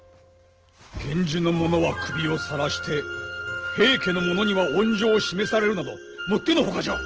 源氏の者は首をさらして平家の者には温情を示されるなどもってのほかじゃ！